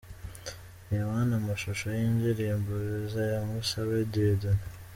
Reba hano amashusho y'indirimbo 'Visa' ya Musabe Dieudonne.